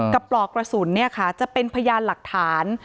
กระป๋อกระสุนเนี่ยค่ะจะเป็นพยานหลักฐาน